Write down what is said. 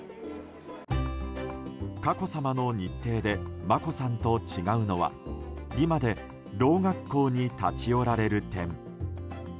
佳子さまの日程で眞子さんと違うのはリマでろう学校に立ち寄られる点。